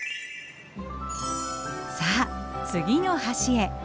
さあ次の橋へ。